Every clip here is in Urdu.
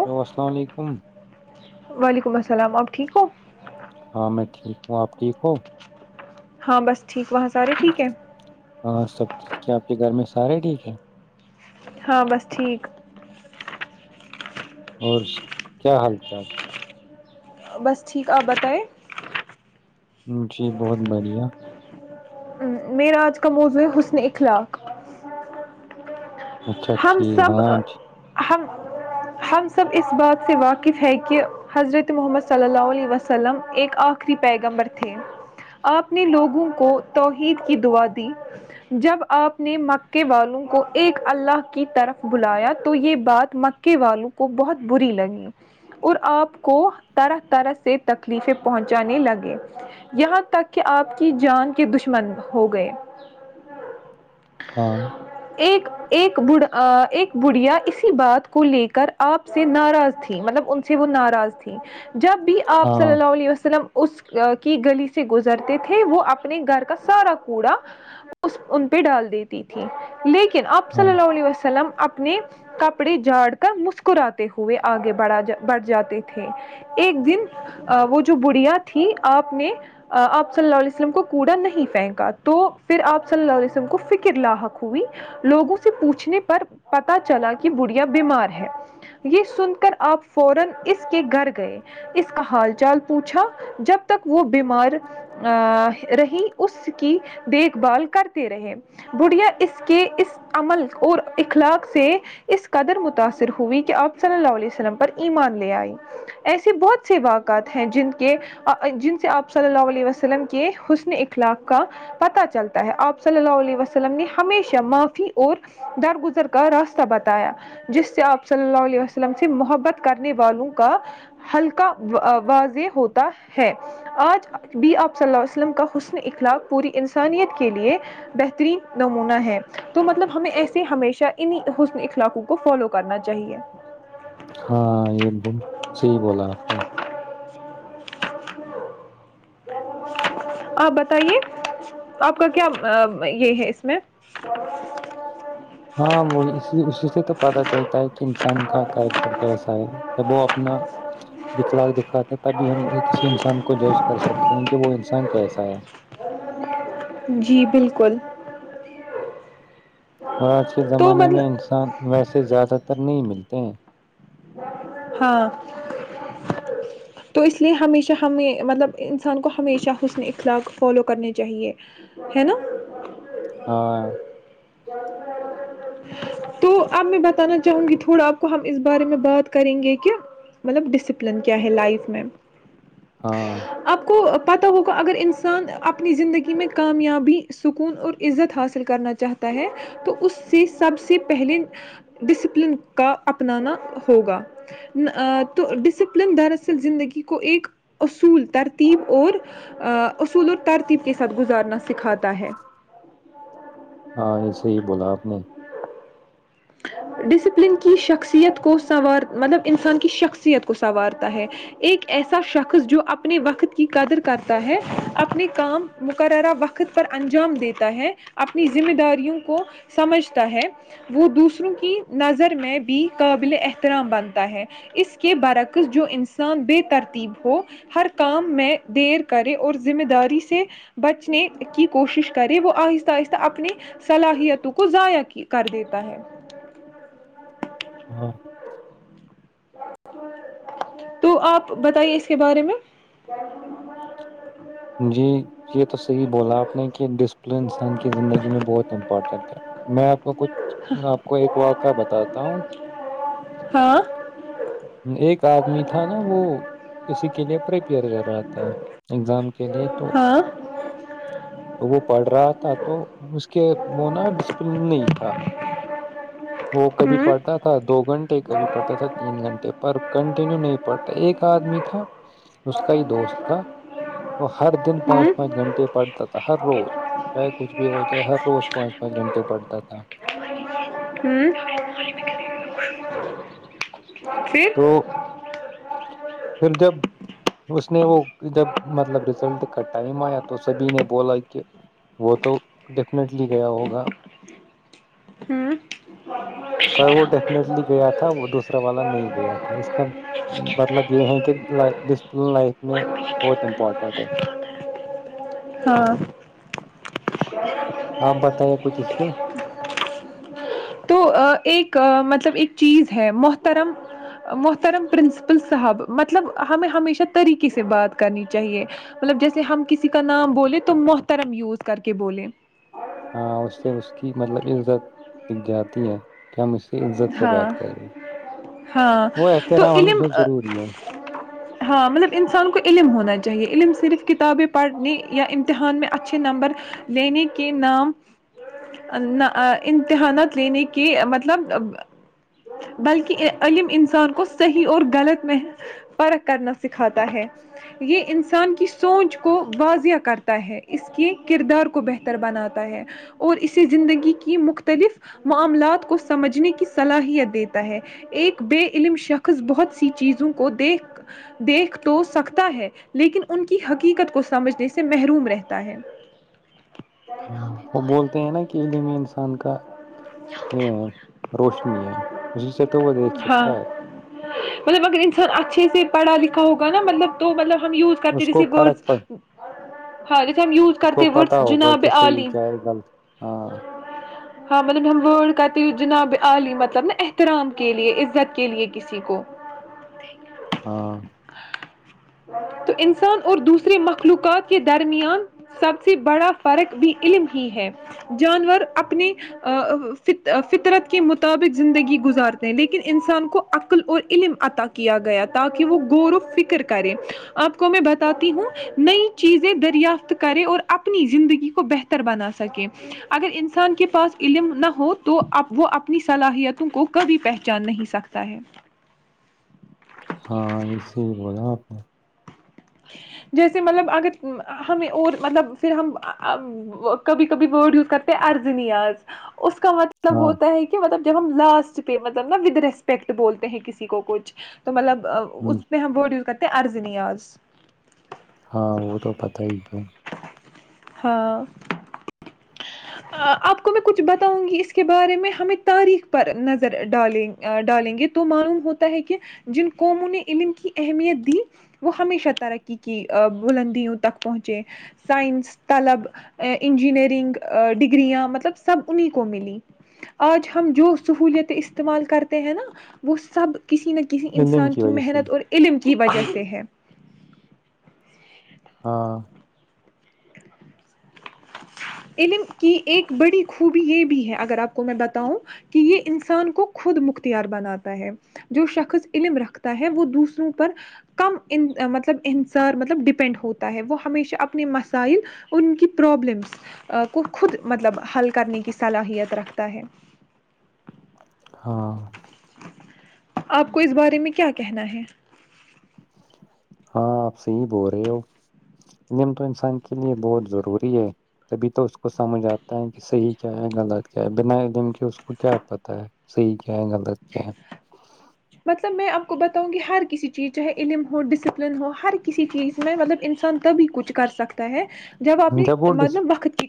ہیلو السلام علیکم وعلیکم السلام آپ ٹھیک ہو ہاں میں ٹھیک ہوں آپ ٹھیک ہو ہاں بس ٹھیک وہاں سارے ٹھیک ہیں ہاں سب کیا آپ کے گھر میں سارے ٹھیک ہے ہاں بس ٹھیک اور کیا حال چال بس ٹھیک آپ بتائیں جی بہت بڑھیا میرا آج کا موضوع ہے حسن اخلاق اچھا ہم ٹھیک سب ہاں جی ہم ہم سب اس بات سے واقف ہے کہ حضرت محمد صلی اللہ علیہ وسلم ایک آخری پیغمبر تھے آپ نے لوگوں کو توحید کی دعا دی جب آپ نے مکے والوں کو ایک اللہ کی طرف بلایا تو یہ بات مکے والوں کو بہت بری لگی اور آپ کو طرح طرح سے تکلیفیں پہنچانے لگے یہاں تک کہ آپ کی جان کے دشمن ہو گئے ہاں ایک ایک ب ایک بڑیا اسی بات کو لے کر آپ سے ناراض تھی مطلب ان سے وہ ناراض تھی جب بھی آپ صلی ہاں اللہ علیہ وسلم اس کی گلی سے گزرتے تھے وہ اپنے گھر کا سارا کوڑا ان پہ ڈال دیتی تھی لیکن ہاں وسل علیہ وسلم اپنے کپڑے جھاڑ کر مسکراتے ہوئے آگے بڑھا بڑھ جاتے تھے ایک دن وہ جو بڑیا تھی آپ نے آپ صلی اللہ علیہ وسلم کو کوڑا نہیں پھینکا تو پھر آپ صلی اللہ علیہ وسلم کو فکر لاحق ہوئی لوگوں پوچھنے پر پ چلا کہ بڑیا بیمار ہے یہ سن کر آپ فورن اس کے گھر گئے اس کا حال چال پوچھا جب تک وہ بیمار رہی اس کی دیکھ بھال کرتے رہے بھیا اس کے اس عمل اور اخلاق سے اس قدر متاثر ہوئی کہ آپ صلی اللہ علیہ وسلم پر ایمان لے آئی ایسے بہت سے باقعات ہیں جن کے جن سے آپ صلی اللہ علیہ وسلم کے حسن اخلاق کا پتہ چلتا ہے آپ صلی اللہ علیہ وسلم نے ہمیشہ معافی اور درگزر کا راستہ بتایا جس سے آپ صلی اللہ علیہ وسلم سے محبت کرنے والوں کا ہلکا واضح ہوتا ہے آج بھی آپ صلی اللہ ع وسلم کا حسن اخلاق پوری انسانیت کے لیے بہترین نمونہ ہے تو مطلب ہمیں ایسے ہمیشہ ان حسن اخلاقوں کو فالو کرنا چاہیے ہاں یہ صی بولا آپ نے آپ بتائیے آپ کا کیا یہ ہے اس میں ہاں وہ اسی اسی سے تو پتا چلتا ہے کہ انسان کا کیریکٹر کیسا ہے جب وہ اپنا دکھ لاک د کاتے تبھی ہم کسی انسان کو جج کر سکتے ہیں کہ وہ انسان کیسا ہے جی بالکل اور آج کے تو زمانے میں مطلب انسان ویسے زیادہ تر نہیں ملتے تو ہاں تو اس لیے ہمیشہ ہم مطلب انسان کو ہمیشہ حسن اخلاق فالو کرنے چاہیے ہے نا ہاں تو اب میں بتانا چاہوں گی تھوڑا آپ کو ہم اس بارے میں بات کریں گے کہ مطلب ڈسپلن کیا ہے لائف میں ہاں آپ کو پتہ ہوگا اگر انسان اپنی زندگی میں کامیابی سکون اور عزت حاصل کرنا چاہتا ہے تو اس سے سب سے پہلے ڈسپلن کا اپنانا ہوگا تو ڈسپلن دراصل زندگی کو ایک اصول ترتیب اور اصول اور ترتیب کے ساتھ گزارنا سکھاتا ہے ہاں یہ ص ہی بولا آپ نے ڈسپلن کی شخصیت کو سنوار مطلب انسان کی شخصیت کو سنوارتا ہے ایک ایسا شخص جو اپنے وقت کی قدر کرتا ہے اپنے کام مقررہ وقت پر انجام دیتا ہے اپنی ذمہ داریوں کو سمجھتا ہے وہ دوسر دوسروں کی نظر میں بھی قابل احترام بنتا ہے اس کے برکس جو انسان بے ترتیب ہو ہر کام میں دیر کرے اور ذمہ داری سے بچنے کی کوشش کرے وہ آہستہ آہستہ اپنی صلاحیتوں کو ضائع کر دیتا ہے ہاں تو آپ بتائیے اس کے بارے میں جی یہ تو صحیح بولا آپ نے کہ ڈس ال انسان کی زندگی میں بہت امپورٹینٹ ہے میں آپ کو کچھ آپ کو ایک واقعہ بتاتا ہوں ہاں ایک آدمی تھا نا وہ اسسی کے لیے پریپیئر کر رہا تھا ایگزام کے لے تو ہاں تو وہ پڑھ رہا تھا تو اس کے وہ نا ڈسپلن نہیں تھا وہ کبھی ہوں پڑھتا تھا دو گھنٹے کبھی پڑھتا تھا تین گھنٹے پر کنٹینیو نہیں پڑھتا ایک آدمی تھا اس کا ہی دوست تھا وہ ہر دن پانچ ہوں پانچ گھنٹے پڑھتا تھا ہر روز چاہے کچھ بھی ہو جائے ہر روز پانچ پانچ گھنٹے پڑھتا تھا پھر تو پھر جب اس نے وہ جب مطلب ریزلٹ کا ٹائم آیا تو سبھی نے بولا کہ وہ تو ڈیفنیٹلی گیا ہوگا پر وہ ڈیفنیٹلی گیا تھا وہ دوسرا والا نہیں گیا تھا اس کا مطلب یہ ہیں کہ ڈسپلن لائف میں بہت امپارٹینٹ ہے ہاں آپ بتائے کچھ اس پ تو ایک مطلب ایک چیز ہے محترم محترم پرنسپل صاحب مطلب ہمیں ہمیشہ طریقے سے بات کرنی چاہیے مطلب جیسے ہم کسی کا نام بولیں تو محترم یوز کر کے بولیں دگ جاتی ہیں کہ ہم اس سے عزت سے ہاں بات کر رہے ہاں وہ تو احترام علم ہمیشہ ضروری ہے ہاں مطلب انسان کو علم ہونا چاہیے علم سے صرف کتابیں پڑھنے یا امتحان میں اچھے نمبر لینے کے ن امتحانات لینے کی مدد بلکہ علم انسان کو صحیح اور غلط میںح پرکھ کرنا سکھاتا ہے یہ انسان کی سوچ کو واضح کرتا ہے اس کے کردار کو بہتر بناتا ہے اور اسے زندگی کی مختلف معاملات کو سمجھنے کی صلاحیت دیتا ہے ایک بے علم شخص بہت سی چیزوں کو دیکھ تو سکتا ہے لیکن ان کی حقیقت کو سمجھنے سے محروم رہتا ہے ہاں وہ بولتے ہیں نا کہ علم انسان کا یہ ہے [inaudible] روشنی ہے اسی سے تو وہ دیکھ ہاں سکتا ہے پڑ لکھا ہوگا مطلب تو مطلب ہم یوز کرتے اس کو جیسے فرق پ ورڈس ہاں جیسے ہم یوز اس کو کرتے ورڈس پتا ہوگا جناب کہ عال صحیح کیا ہے غلط ہاں ہاں مطلب ڈ ہمب کرتی ہو جناب علی مطلب نا احترام کے لیے عزت کے لیے کسی کو ہاں تو انسان اور دوسرے مخلوقات کے درمیان سب سے بڑا فرق بھی علم ہی ہے جانور اپنے فطرت کے مطابق زندگی گزارتے ہیں لیکن انسان کو عقل اور علم عطا کیا گیا تاکہ وہ غور و فکر کرے آپ کو میں بتاتی ہوں نئی چیزیں دریافت کرے اور اپنی زندگی کو بہتر بنا سکے اگر انسان کے پاس علم نہ ہو تو وہ اپنی صلاحیتوں کو کبھی پہچان نہیں سکتا ہے ہاں اسی ہی بولا آپ نے جیسے مطلب اگر ہمیں اور مطلب پھر ہم کبھی کبھی ورڈ یوز کرتے ہیں ارضنیاز اس کا مطلب ہاں ہوتا ہے کہ مطلب جب ہم لاسٹ پہ مطلب نا ودھ ریسپیکٹ بولتے ہیں کسی کو کچھ تو مطلب ہ اس پہ ہم بورڈ یوز کرتے ارزینیاز ہاں وہ تو پتا ہی ہے ہاں آپ کو میں کچھ بتاؤں گی اس کے بارے میں ہمیں تاریخ پر نظر ڈالیں ڈالیں گے تو معلوم ہوتا ہے کہ جن قوموں نے علم کی اہمیت دی وہ ہمیشہ ترقی کی بلندیوں تک پہنچے سائنس طلب انجینئرنگ ڈگریاں مطلب سب انہیں کو ملی آج ہم جو سہولیت استعمال کرتے ہیں نا وہ سب کسی نہ کسی علم انسان کی وجہ سے محنت اور علم کی وجہ سے ہے ہاں علم کی ایک بڑی خوبی یہ بھی ہے اگر آپ کو میں بتاؤں کہ یہ انسان کو خود مختیار بناتا ہے جو شخص علم رکھتا ہے وہ دوسروں پر کم مطلب انحصار مطلب ڈپینڈ ہوتا ہے وہ ہمیشہ اپنے مسائل ان کی پرابلمس کو خود مطلب حل کرنے کی صلاحیت رکھتا ہے ہاں آپ کو اس بارے میں کیا کہنا ہے ہاں آپ صحیح بول رہے ہو علم تو انسان کے لیے بہت ضروری ہے تبھی تو اس کو سمجھ آتا ہے کہ صحیح کیا ہے غلط کیا ہے بنا علم کے اس کو کیا پتہ ہے صحیح کیا گند کیا مطلب میں آپ کو بتاؤں گی ہر کسی چیز چاہے علم ہو ڈسپلن ہو ہر کسی چیز میں مطلب انسان تبھی کچھ کر سکتا ہے جب اپنی وہ ڈس مطلب وقت کی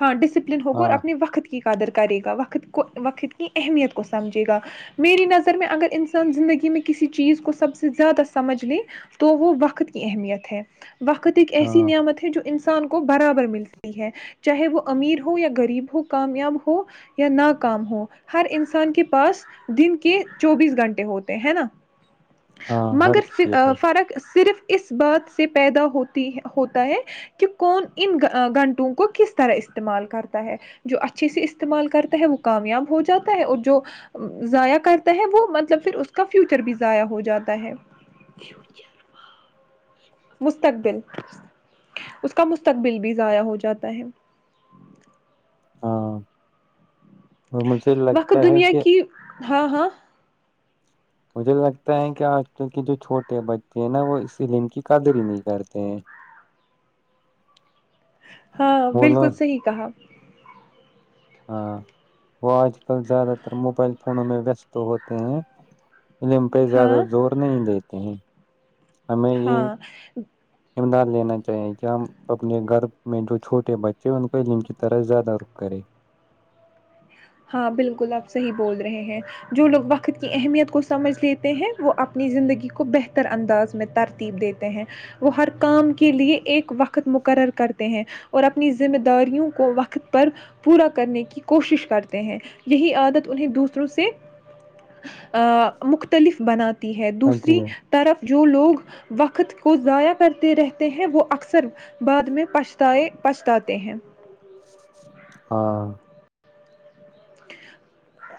ہاں ڈسپلن ہوگا اور ہاں اپنی وقت کی قدر کرے گا وقت کو وقت کی اہمیت کو سمجھے گا میری نظر میں اگر انسان زندگی میں کسی چیز کو سب سے زیادہ سمجھ لے تو وہ وقت کی اہمیت ہے وقت ایک ایسی ہاں نعمت ہے جو ان سال برابر ملتی ہے چاہے وہ امیر ہو یا غریب ہو کامیاب ہو یا ناکام ہو ہر انسان کے پاس دن کے چوبیس گھنٹے ہوتے ہیں نا ہاں ہر مگر کسی کے پاس فرق صرف اس بات سے پیدا ہوتی ہوتا ہے کہ کون ان گھنٹوں کو کس طرح استعمال کرتا ہے جو اچھے سے استعمال کرتا ہے وہ کامیاب ہو جاتا ہے اور جو ضائع کرتا ہے وہ مطلب پھر اس کا فیوچر بھی ضائع ہو جاتا ہے مستقبل اس کا مستقبل بھی ضائع ہو جاتا ہے ہاں اور مجھے لگتا وقت ہے دنیا کہ کی ہاں ہاں مجھے لگتا ہے کہ آج کل کے جو چھوٹے بچے ہیں نا وہ اس لیلم کی قدر ہی نہیں کرتے ہیں ہاں وہ بالکل لوگ صحیح کہا ہاں وہ آج کل زیادہ تر موبائل فونوں میں ویست ہوتے ہیں انم پہ زیادہ ہاں زور نہیں دیتے ہیں ہمیں ہاں یہ ہی امداد لینا چاہیے کہ ہم اپنے گھر میں جو چھوٹے بچے ان کو علم کی طرح زیادہ رخ کرے ہاں بالکل آپ صحیح بول رہے ہیں جو لوگ وقت کی اہمیت کو سمجھ لیتے ہیں وہ اپنی زندگی کو بہتر انداز میں ترتیب دیتے ہیں وہ ہر کام کے لیے ایک وقت مقرر کرتے ہیں اور اپنی ذمہ داریوں کو وقت پر پورا کرنے کی کوشش کرتے ہیں یہی عادت انہیں دوسروں سے مختلف بناتے ہے دوسری ہاں طرف یہ جو لوگ وقت کو ضائع کرتے رہتے ہیں وہ اکثر بعد میں پچتائے پچھتاتے ہیں ہاں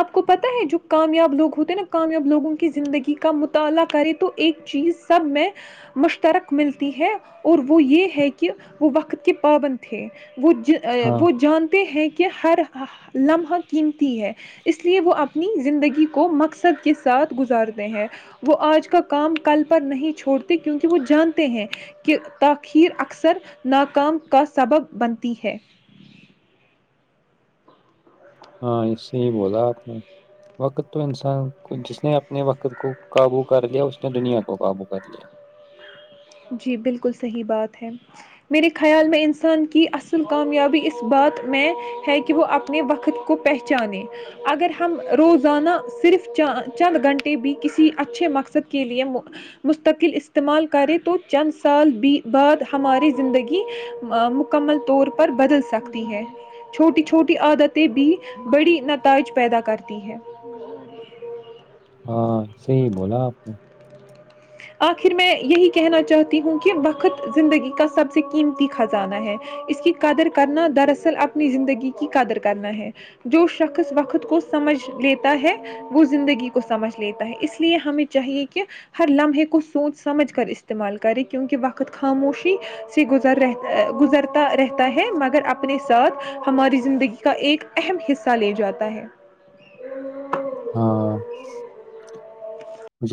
آپ کو پت ہے جو کامیاب لوگ ہوتے ہیں نا کامیاب لوگوں کی زندگی کا مطالعہ کرے تو ایک چیز سب میں مشترک ملتی ہے اور وہ یہ ہے کہ وہ وقت کے پابند تھے وہ ہاں وہ جانتے ہیں کہ کہ ہر لمحہ قیمتی ہے اس لیے وہ اپنی زندگی کو مقصد کے ساتھ گزارتے ہیں وہ آج کا کام کل پر نہیں چھوڑتے کیونکہ وہ جانتے ہیں کہ تاخیر اکثر ناکام کا سبب بنتی ہے ہاں اس سے ہی بولا آپ نے وقت تو انسان کو جس نے اپنے وقت کو قابو کر لیا اس نے دنیا کو قابو کر لیا جی بالکل صحیح بات ہے میرے خیال میں انسان کی اصل کامیابی اس بات میں ہے کہ وہ اپنے وقت کو پہچانیں اگر ہم روزانہ صرف چند گھنٹے بھی کسی اچھے مقصد کے لیے مستقل استعمال کریں تو چند سال بعد ہماری زندگی مکمل طور پر بدل سکتی ہے چھوٹی چھوٹی عادتیں بھی بڑی نتائج پیدا کرتی ہیں ہاں صحی ہی بولا آپ نے آخر میں یہی کہنا چاہتی ہوں کہ وقت زندگی کا سب سے قیمتی خزانہ ہے اس کی قدر کرنا دراصل اپنی زندگی کی قدر کرنا ہے جو شخص وقت کو سمجھ لیتا ہے وہ زندگی کو سمجھ لیتا ہے اس لیے ہمیں چاہیے کہ ہر لمحے کو سوچ سمجھ کر استعمال کرے کیونکہ وقت خاموشی سے گز گزرتا رہتا ہے مگر اپنے ساتھ ہماری زندگی کا ایک اہم حصہ لے جاتا ہے ہاں ا